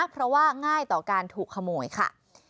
เพราะว่าง่ายต่อการถูกขโมยค่ะ